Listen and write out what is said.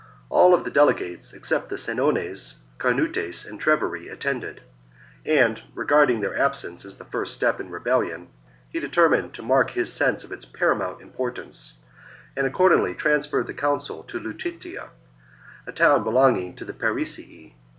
All the delegates, except the Senones, Carnutes, and Treveri, attended ; and, regarding their absence as the first step in rebellion, he deter mined to mark his sense of its paramount import ance, and accordingly transferred the council to Lutetia, a town belonging to the Parisii.